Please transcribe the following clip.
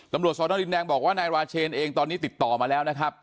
ตำรวจสวรรค์น้องรินแดงบอกว่านายวาเชนเองตอนนี้ติดต่อมาแล้วนะครับ